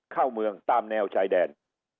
เข้าเมืองตามแนวชายแดน